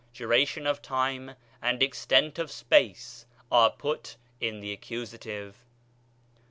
Duration of time and extent of space are put in the accusative.